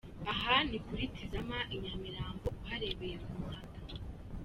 Aha ni kuri Tizama i Nyamirambo uharebeye ku muhanda.